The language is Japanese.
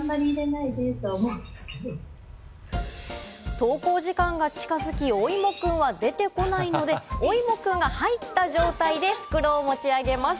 登校時間が近づき、おいもくんは出てこないので、おいもくんが入った状態で袋を持ち上げます。